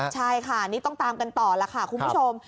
ใช่ค่ะนี่ต้องตามกันต่อแล้วค่ะคุณผู้ชม